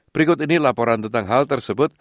berikut ini laporan tentang hal tersebut